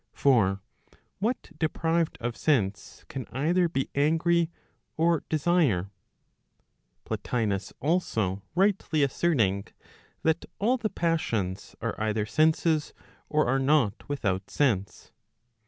For what deprived of sense, can either be angry, or desire? Plotinus also rightly asserting, that all the passions are either senses, or are not without sense.